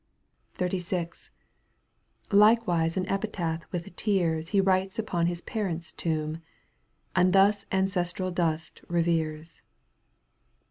XXXVIIL Likewise an epitaph with tears ^ He writes upon his parents' tomb. And thus ancestral dust reveres.